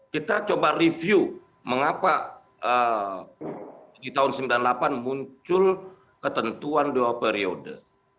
kita coba review mengapa di tahun seribu sembilan ratus sembilan puluh delapan muncul ketentuan dua periode